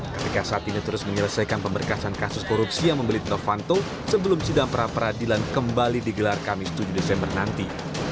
kpk saat ini terus menyelesaikan pemberkasan kasus korupsi yang membelit novanto sebelum sidang pra peradilan kembali digelar kamis tujuh desember nanti